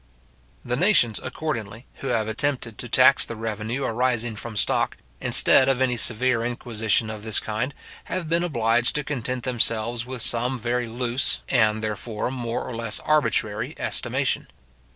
The nations, accordingly, who have attempted to tax the revenue arising from stock, instead of any severe inquisition of this kind, have been obliged to content themselves with some very loose, and, therefore, more or less arbitrary estimation.